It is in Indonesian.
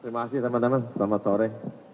terima kasih teman teman selamat sore